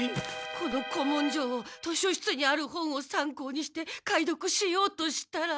この古文書を図書室にある本を参考にして解読しようとしたら。